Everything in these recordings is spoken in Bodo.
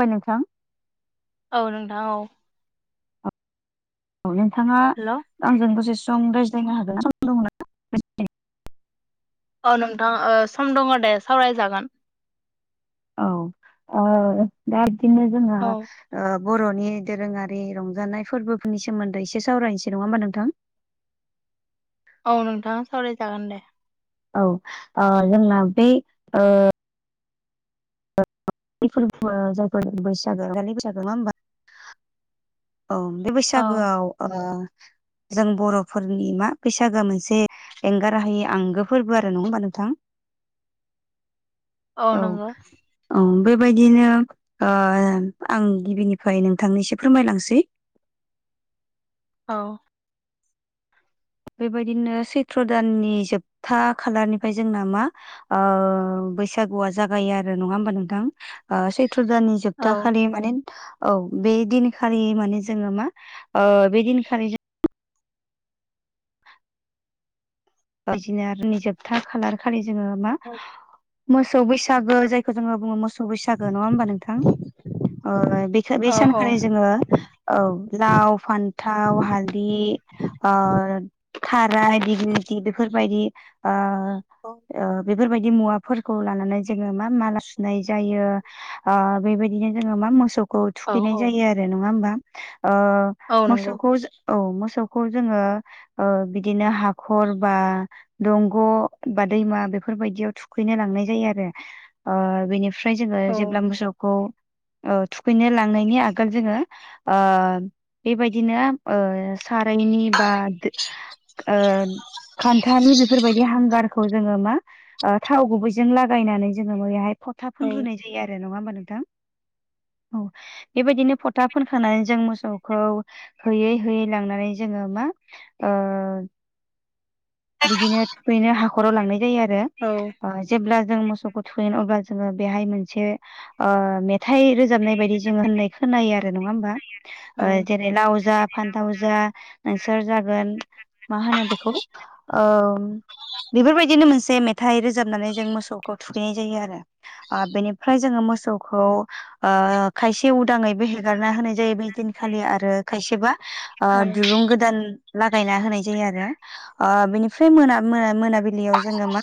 बा नोंथां औ नोंथां औ औ नोंथाङा हेलौ आंजों दसे सम रायज्लायनो हागोन ना औ नोंथां ओ सम दङ दे सावरायजागोन औ ओ दा बिदिनो जोङो औ ओ बर'नि दोरोङारि रंजानाय फोरबोफोरनि सोमोन्दै एसे सावरायनोसै नङा होमबा नोंथां औ नोंथाङा सावरायजागोन दे औ ओ जोंना बे ओ बैफोरबो जायफोर बैसागो रंजालि बैसागो नङा होमबा औ बे औ बैसागोआव जों बर'फोरनि मा बैसागोआ मोनसे एंगाराहायै आंगो फोरबो आरो नङा होमबा नोंथां औ औ बेबायदिनो ओ आं गिबिनिफ्राय नोंथांनिसो फोरमायलांसै सै औ बेबायदिनो सैथ्र दाननि जोबथा खालारनिफ्राय जोंना मा ओ बैसागुआ जागायो आरो नङा होमबा नोंथां ओ सैथ्र' दाननि औ जोबथाखालि माने औ बै दिनखालि माने जोङो मा ओ बेदिनखालि बायदिनो आरो जोबथा खालारखालि जोङो मा औ मोसौ बैसागो जायखौ जोङो बुङो मोसौ सबबबिसागो नङा होमबा नोंथां बे बे औ सानखालि जोङो औ लाव -फान्थाव, हालदि थाराय दिग्लिथि बेफोरबायदि औ। बेफोरबायदि मुवाफोरखौ लानानै जोङो मा मा सुनाय जायो। बेबायदिनो जोङो मा मोसौखौ औ थुखैनाय औ जायो आरो नङा होमबा? औ नंगौ मोसौखौ औ मोसौखौ जोङो बिदिनो हाखौ हरबा दंग' बा दैमा बेफोरबायदियाव थुखैनो लांनाय जायो आरो। बेनिफ्राय जोङो औ जेब्ला मोसौखौ। औ थुखैनो लांनायनि आगोल जोङो बेबायदिनो सारायनि बा ओ फोथानि बेफोरबायदि हांगारखौ जोङो मा थाव गुबैजों लागायनानै जोङो बहाय थाब औ फोन र्रुाय जायो आरो नङा होमबा नोंथां औ। बेबायदिनो फथा फोनखांानानै जों मोसौखौ होयै होयै लांनानै जोङो मा उम। बिदिनो थुखैनो हाखराव लांनाय जायो आरो। औ। जेब्ला जों मोसौखौ थुखैन अब्ला जोङो बेहाय मोनसे मेथाइ रोजाबनाय बायदि जोङो होननाय खोनायो आरो नङा होमबा? औ जेरै लाव जा फान्थाव जा नोंसोर जागोन मा होनो बे ओ। बेफोरबायदिनो मोनसे मेथाइ रोजाबनानै जों मोसौखौ थुखैनाय जायो आरो। बेनिफ्राय जोङो मोसौखौ खायसे उदाङैबो हेगारना होनाय जायो बे दिनखालि आरो खायसेबा औ दुरुं गोदान लागायना होनाय जायो आरो। बिनिफ्राय मोन मोन मोनाबिलियाव जोङो मा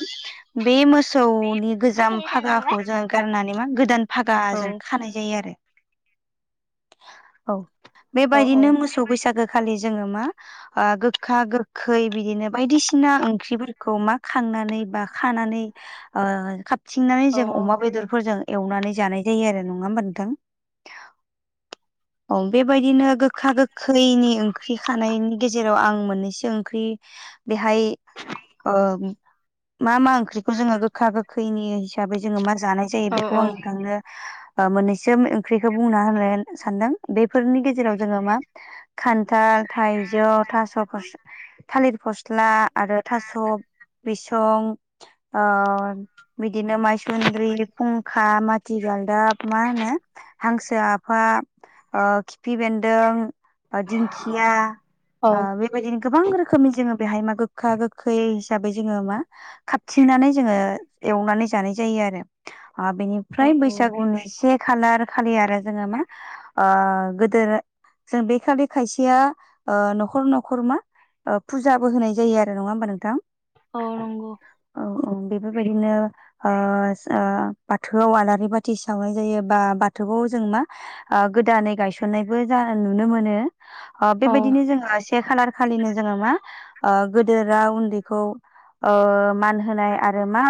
बे मोसौनि गोजाम फागाखौ जोंङ गारनानै मा गोदान फागाजों खानाय। औ औ बेबायदिनो मोसौ बैसागो खालि जोङो मा गोखा गो खै बिदिनो बायदिसिना ओंख्रिफोरखौ मा खांनानै बा खानानै खाबथिंनानै जों अमा बेदर फोरजों एवनानै जानाय जायो आरो नङा होमबा नोंथां? औ बेबायदिनो गोखा गोखैनि ओंख्रि खानायनि गेजेराव आं मोननैसो बेहाय ओ मा मा ओंख्रि बेखौ जोङो गोखा गोखैनि हिसाबै जोङो मा जानाय जायो बेखौ आं थांनो मोन्नैसो ओंख्रिखौ बुंना होनो सानदों बेफोरनि गेजेराव जोङो मा खान्थाल थाइजौ थास'फोर थालिर फस्ला आरो थास' बिसं बिदिनो मायसुन्द्रि फुंखा माथि गालदाब मा होनो हांसो आफा खिफि बेन्दों। दिंखिया औ बेबायदि। गोबां रोखोमनि जोङो बेहाय मा गोखा गोखै हिसाबै जोङो मा खााबथिंनानै जोङो एवनानै जानाय जायो आरो औ बेनिफ्राय बैसागुनि एसे खालार खालि आरो जोङो मा गोदो जों बे खालि खायसेया न'खर न'खर मा फुजाबो होनाय जायो आरो नङा होमबा नोंथां? अ। औ औ बेफोरबायदिनो ओ ओ बाथौआव आलारि बाथि सावनाय जायो बा बाथौआव जों मा गोदानै गायसननायबो जा नुनो मोनो औ बेबायदिनो जोंहा से खालार खालिनो जोङो मा गेदेरा उन्दैखौ ओ मान होनाय आरो मा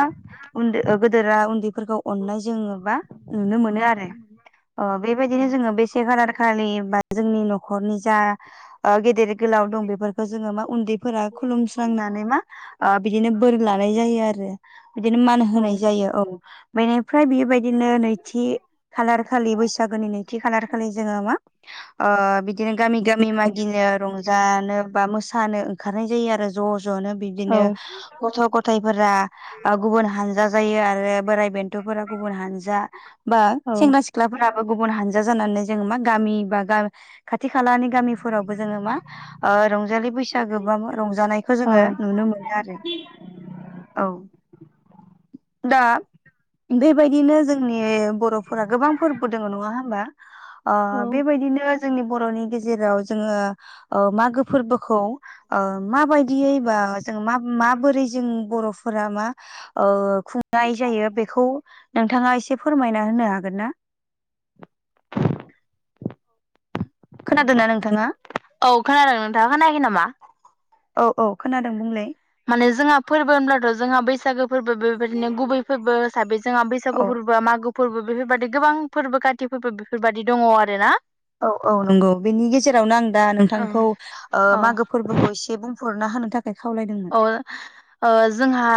उन्दै गेदेरा उन्दैफोरखौ अननाय जोङो बा नुनो मोननो आरो ओ बेबायदिनो जोङो [unintelligible] जोंनि नखरनि जा गेदेर गोलाव दं बे बेफोरखौ जोङो मा उन्दैफोरा खुलुमस्रांनानै मा बिदिनो बोर लानाय जायो आरो बिदिनो मान औ होनाय जायो औ बेनिफ्राय बेबायदिनो नैथि खालार खालि बैसागोनि नैथि खालारखालि जोङो मा बिदिनो गामि गामि मागिनो रंजानो बा मोसानो ओंखारनाय जायो आरो ज' ज'नो औ बिब्दिनो गथ' गथायफोरा गुबुन हानजा जायो आरो बोराइ बेन्थ'फोरा गुबुन हानजा बा सेंग्रा सिख्लाफोराबो गुबुन हानजा जानानै जोङो मा गामि बा गामि खाथि खालानि गामिफोरावबो जोङो मा रंजा रंजालि बैसागो बा रंजानायखौ जोङो नुनो मोनो आरो औ दा बेबायदिनो जोंनि बर'फोरा गोबां फोरबो दङ नङा होमबा बेबायदिनो जोंनि बर'नि गेजेराव जोङो ओ मागो फोरबोखौ माबायदियै बा जों माबोरै जों बर' फोरा मा खुंनाय जायो बेखौ नोंथाङा एसे फोरमायना होनो हागोन ना खोनादों ना नोंथाङा औ खोनादों नोंथाङा खोनायाखै नामा औ औ खोनादों बुंलाय माने जोंहा फोरबो होनब्लाथ' जोंहा बैसागो फोरबो बेबायदिनो गुबै फोरबो हिसाबै जोंहा औ बैसागु फोरबो बा मागो फोरबो बेफोरबायदि गोबां फोरबो काति फोरबो बेफोरबायदि दङ आरो ना औ औ नंगौ बेनि गेजेरावनो आं दा नोंथांखौ औ मागो फोरबोखौ एसे बुं फोरना होनो थाखाय खावलायदों [unintelligible] जोंहा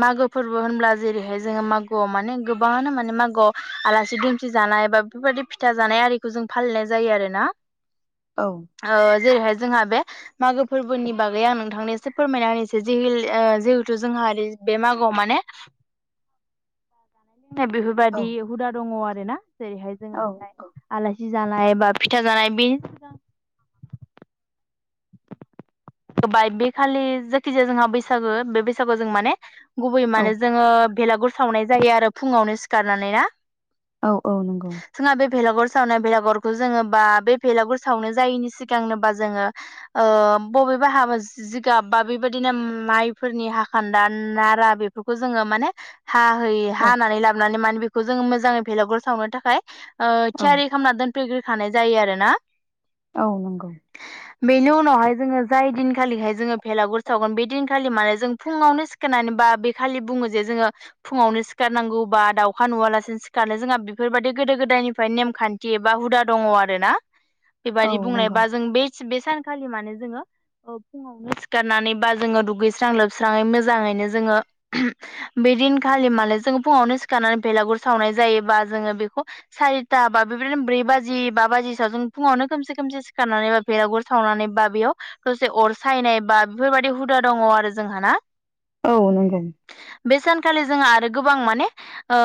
मागो फोरबो होनब्ला जेरैहाय जोङो मागोआव माने गोबाङानो माने मागोआव आलासि दुमसि जानाय बा बेफोरबायदि फिथा जानाय आरिखौ जों फालिनाय जायो आरो ना औ जेरैहाय जोंहा बे मागो फोरबोनि बागै आं नोंथांनो एसे फोरमायना होनोसै जिहे जिहेथु जोंहा बे मागोआव माने बेफोरबायदि हुदा दङ आरो ना जेरैहाय जोङो औ बेहाय औ आलासि जानाय बा फिथा जानाय बे [unintelligible] बे खालि जायखिजाया जोंहा बैसागो बे बैसागोआव जों माने गुबैयै औ माने जोङो बेलागुर सावनाय जायो आरो फुङावनो सिखारनानै ना औ औ नंगौ जोंहा बे भेलागुर सावनाय भेलागुरखौ जोङो बा बे भेलागुर सावनो जायैनि सिगांनोबा जोङो बबेबा हाबा जिगाब बा बेबायदिनो माइफोरनि हाखान्दा नारा बेफोरखौ जोङो माने हाहै औ हानानै लाबोनानै माने बेखौ जोङो मोजाङै भेलागुर सावनो थाखाय औ थियारि खालामना दोनफैग्रोखानाय जायो आरो ना औ नंगौ बेनि उनावहाय जोङो जाय दिन खालिहाय जोङो भेलागुर सावगोन बे दिनखालि माने जों फुङावनो सिखायनानै बा बे खालि बुङो जे जोङो फुङावनो सिखारनांगौ बा दाउखा नुवालासिनो सिखारनो जोंहा बेफोरबायदि गोदो गोदायनिफ्राय नेमखान्थि थि बा हुदा दङ आरो ना [inaudible] बेबायाददि बुंनाय नंगौ बा जों बे बे सानखालि मानो जोङो। फुङावनो सिखारनानै बा जोङो दुगैस्रां लोबस्राङै मोजाङैनो जोङो। बे दिनखालि माने जोङो फुङावनो सिखारनानै बेलागुर सावनाय जायोबा जोङो बेखौ बा सारिथा बा बेबायदिनो ब्रै बाजि बा बाजिसोआव जों फुङावनो खमसे खोमसे सिखारनानै बेलागुर सावनानै बा बेयाव ससे अर सायनाय बा बेफोर बायदि हुदा दङ आरो जोंहा ना? औ नंगौ। बे सानखालि जोंहा आरो गोबां माने। ओ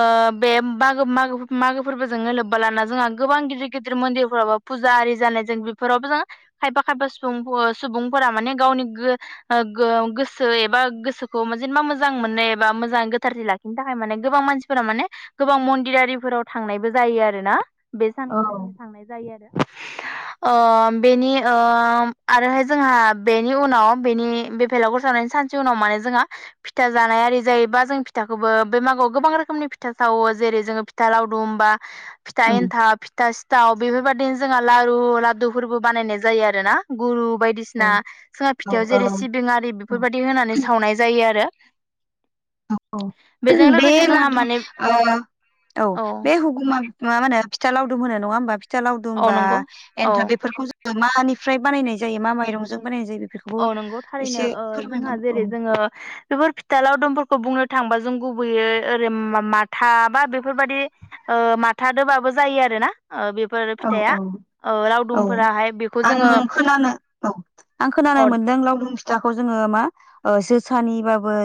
बे मागो मागो मागो फोरबोजोंनो लोब्बा लाना जोंहा गोबां गिदिर गिदिर मन्दिरफोरावबो। फुजा आरि जानाय जों बेफोरावबो जों खायफा खायफा सुबुं सुबुंफोरा माने गावनि ओ गो-गोसो एबा गोसोखौ जेनेबा मोजां मोननो एबा मोजां गोथारसि लाखि बिनि थाखाय माने गोबां मानसिफोरा माने गोबां मन्दिरफोराव थांनायबो जायो आरो ना। ओ बे ओं सानखालिनो थांनाय जायो आरो बेनि आरोहाय जोंहा बेनि उनाव बेनि बेफलाव गुरसावनायनि सानसे उनाव माने जोंहा फिथा जानाय आरि जायोबा जों फिथाखौबो बे मागोआव गोबां रोखोमनि फिथा सावो जेरै जोङो फिथा लावदुम बा फिथा औ एन्था सिथा सिथाव बेफोरबायदिनो जोंहा लारु लादुफोरबो बानायनाय जायो आरो ना गुरु बायदि औ बायदिसिना जोङा फिथाययाव जेरै सिबिं ओ बेफोरबायदि होनानै सावनाय जायो आरो औ बेजों बे लोगोसे जोंहा लादु माने औ औ बे मा होनो फिथा लावदुम होनो नङा होमबा फिथा लावदुम औ होनबा नंगौ औ एन्थाब बेफोरखौ ज मानिफ्राय बानायनाय जायो मा माइरंजों बानायनाय जायो बेफोरखौबो औ नंगौ थारैनो एसे जोंहा फोरमायलां जेरै औ जोङो बेफोर फिथा लाव दुमफोरखौ बुंनो थांबा जों गुबैयै ओरै माथा बा बेफोरबादि ओ माथा दोबाबो जायो आरो ना बेफोर औ औ फिथाइया औ रावदुमफोराहाय बेखौ आं जोङो। खोनानो औ आं खोनानो अ मोनदों लावदुम फिथाखौ जोङो मा जोसानिबाबो।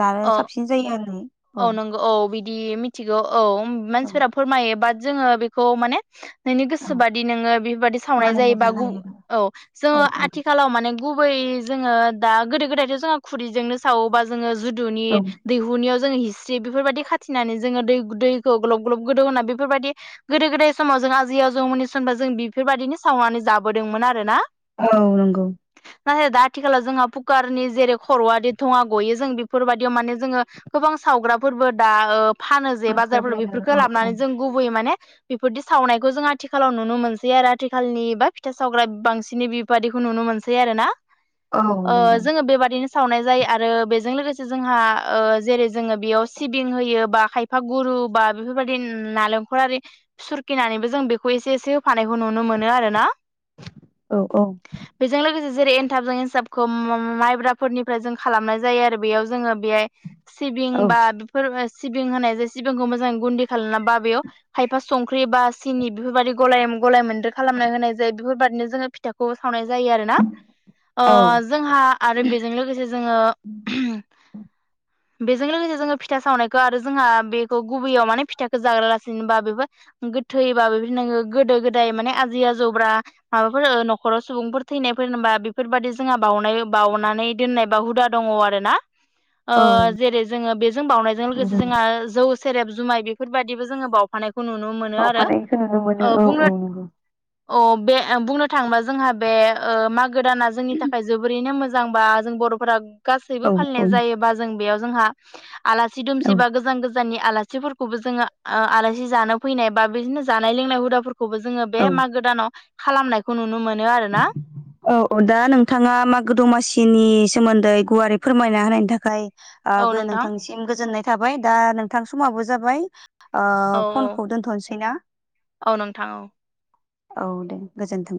जानो अ साबसिन जायो आ नै औ। औ बि बिदि मिथिगौ औ औ मानसिफोरा फोरमायो बाबो बाद जोङो बेखौ नोंनि औ गोसोबादि नोङो बेफोर बायदि सावनाय बानायना जायोबा जानो हायो औ जोङो आरो औ आथिखालाव माने गुबै जोङो दा गोदो गोदायथ' जोङो खुरैजोंनो सावोबा जोङो जुदुनि औ दैहुनियाव जोङो हिस्रि बेफोरबायदि खाथिनानै जोङो दै दैखौ ग्लब ग्लब गोदौ होना बेफोर बायदि गोदो गोदाय समाव जों आजैयाव जौ मनिसनबा जों बेफोरबायदिनो सावनानै जाबोदोंमोन आरो ना? औ नंगौ। नाथाय दा आथिखालाव जोंहा कुकारनि जेरै खर'आदि थङा गयो जों बेफोर बायदियाव माने जोङो गोबां सावग्राफोरबो दा फानो जे बाजारफोर ओंखारबाय आरो बेफोरखौ औ औ लाबोनानै गुबै माने बेफोरदि सावनायखौ जों आथिखालाव नुनो मोनसै आरो आथिखालनि बा फिथा सावग्रा बांसिनै बेबादिखौ नुनो मोनसै आरोना औ नंगौ जोङो बेबादिनो सावनाय जायो आरो बेजों लोगोसे। जोंहा जेरै जोङो बेयाव सिबिं होयो बा खायफा गुरु बा बेफोर बायदि नालें नखरारि सुरखिनानैबो जों बेखौ एसे एसे होफानायखौ नुनो मोनो आरो ना। औ। बेजों लोगोसे जेरै एनथाबजों एनसाबखौ माइब्राफोरनिफ्राय जों खालामनाय जायो आरो बेयाव बेहाय सिबिं औ बां होनाय जंखौ म खालाम बा बेयाव खायफा संख्रि बा सिनि बेफोर बायदि गलाय गलाय मोन्दो खालामना होनाय जायो बेफोरबायदिनो जोङो। फथाखौ सावनाय जायो आरोना औ जोंहा आरो बेजों लोगोसे जोङो बेजों लोगोसे जोङो फिथा सावनायखौ आरो जोंहा बेखौ गुबैयाव माने फिथाखौ जाग्रालासिनोबा बेफोर गोथैबाोदिनो नोङो गोदो गोदाय माने आजै आजौब्रा। माबाफोर न'खराव सुबुंफोर थैनायफोर होनबा बेफोरबादि जोंहा बावनाय बाउनानै दोननाय बा हुदा दङ आरोना ओ जेरै जोङो बेजों बावउनायजों लोगोसे जों जोंहा जौ सेरेब जुमाय बेफोरबायाददिबो जोङो बाव फानायखौ नुनो मोनो आरो बावफानायखौ नुनो मोनो ओ औ बुंनो औ नंगौ बे बुंनो थाङोबा जोंहा बे मागो दाना जोंनि थाखाय जोबोरैनो मोजां मोजांबा जों बर'फोरा गासैबो औ फालिनाय जायोबा जों बेयाव जोंहा सि दुमसिबा गोजान गोजान नि आलासिफोरखौबो जोङो आलासि जानो फैनाय बा बिदिनो जानाय लोंनाय हुदाफोरखौ खौबो जोङो औ बे मागो दानाव खालामनायखौ नुनो मोनो आरोना औ औ दा नोंथाङा मागो दमासिनि सोमोन्दै गुवारै फोरमायना होनायनि थाखाय औ ओ नोंथां नोंथांनिसिम गोजोननाय थाबाय दा नोंथां समाबो जाबाय ओ औ फनखौ दोन्थ'नोसै ना औ नोंथां औ औ दे गोजोन्थों